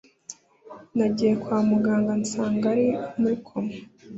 nagiye kwa muganga nsanga ari muri koma